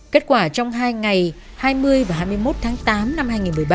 kết quả trong hai ngày hai mươi và hai mươi một tháng tám năm hai nghìn một mươi ba